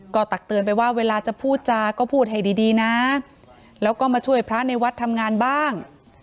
ก็ตักเตือนไปว่าเวลาจะพูดจาก็พูดให้ดีนะแล้วก็มาช่วยพระในวัดทำงานบ้าง